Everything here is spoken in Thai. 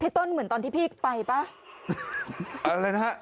ต้นเหมือนตอนที่พี่ไปป่ะอะไรนะฮะ